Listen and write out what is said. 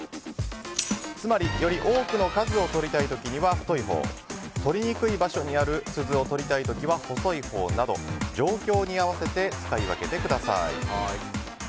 つまり、より多くの数を取りたい時には太いほう取りにくい場所にある鈴を取りたい時は細いほうなど状況に合わせて使い分けてください。